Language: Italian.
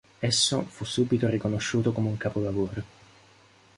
Esso fu subito riconosciuto come un capolavoro.